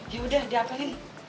ya udah diapain